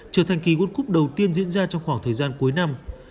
trở thành kỳ world cup đầu tiên diễn ra trong khoảng thời gian cuối năm